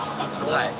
はい。